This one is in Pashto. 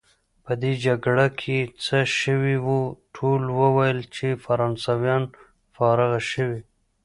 په دې جګړه کې څه شوي وو؟ ټولو ویل چې فرانسویان فارغه شوي.